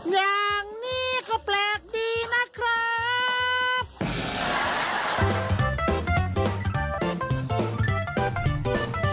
อย่างนี้ก็แปลกดีนะครับ